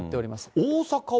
大阪は？